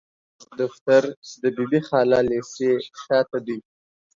زموږ دفتر د بي بي خالا ليسي شاته دي.